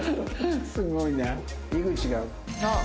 すごいな。